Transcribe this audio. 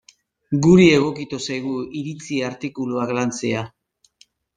Guri egokitu zaigu iritzi artikuluak lantzea.